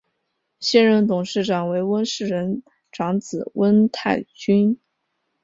现任董事长为温世仁长子温泰钧。